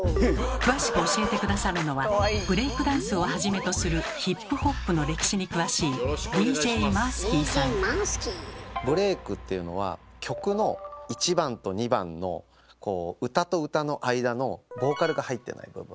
詳しく教えて下さるのはブレイクダンスをはじめとするヒップホップの歴史に詳しい曲の１番と２番のこう歌と歌の間のボーカルが入ってない部分。